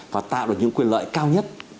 và tạo được những quyền lợi cao nhất